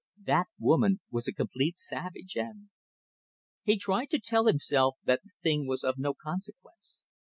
That woman was a complete savage, and ... He tried to tell himself that the thing was of no consequence.